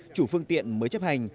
chủ phương tiện mới chấp hành